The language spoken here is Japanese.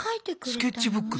スケッチブックだ。